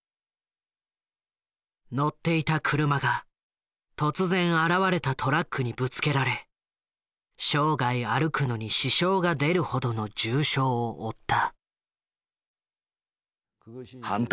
乗っていた車が突然現れたトラックにぶつけられ生涯歩くのに支障が出るほどの重傷を負った。